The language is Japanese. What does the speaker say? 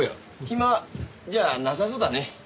暇じゃなさそうだね。